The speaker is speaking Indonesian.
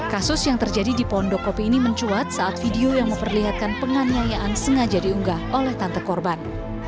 kasus yang terjadi di pondokopi ini mencuat saat video yang memperlihatkan penganiayaan sengaja diunggah oleh tante korban